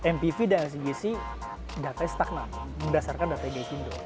mpv dan lcgc datanya stagnant berdasarkan data gizindo